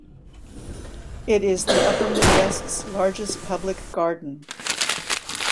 It is the Upper Midwest's largest public garden.